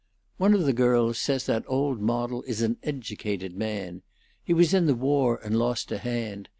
"One of the girls says that old model is an educated man. He was in the war, and lost a hand.